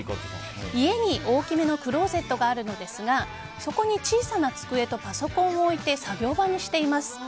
家に大きめのクローゼットがあるのですがそこに小さな机とパソコンを置いて、作業場にしています。